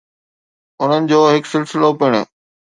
انهن جو هڪ سلسلو پڻ